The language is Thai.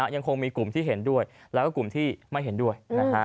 ยังคงมีกลุ่มที่เห็นด้วยแล้วก็กลุ่มที่ไม่เห็นด้วย